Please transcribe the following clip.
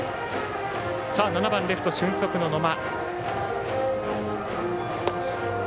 さあ、７番レフト、俊足の野間。